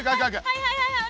はいはいはいはい。